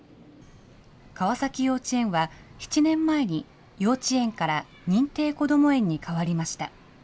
川崎幼稚園は７年前に、幼稚園から認定こども園に変わりました。